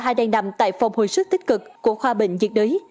cả hai đang nằm tại phòng hồi sức tích cực của khoa bệnh diệt đới